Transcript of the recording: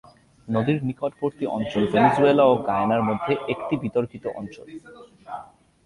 নদীর নিকটবর্তী অঞ্চল ভেনেজুয়েলা ও গায়ানার মধ্যে একটি বিতর্কিত অঞ্চল।